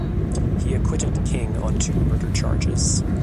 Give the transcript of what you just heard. He acquitted King on two murder charges.